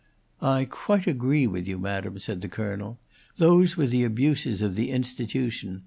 "I quite agree with you, madam," said the Colonel. "Those were the abuses of the institution.